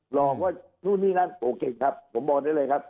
หลอกว่านู่นนี่นั่นโอเคครับผมบอกได้เลยครับ